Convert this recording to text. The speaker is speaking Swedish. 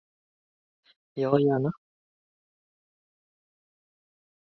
Ja, gärna.